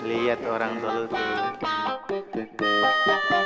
liat orang tua lu tuh